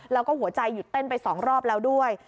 แล้วก็หัวใจหยุดเต้นไป๒รอบแล้วด้วย